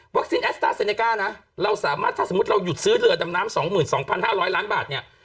แอสต้าเซเนก้านะเราสามารถถ้าสมมุติเราหยุดซื้อเรือดำน้ำ๒๒๕๐๐ล้านบาทเนี่ย